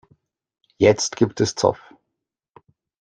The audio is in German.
Jetzt gibt es Zoff.